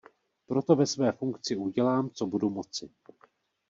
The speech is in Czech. Proto ve své funkci udělám, co budu moci.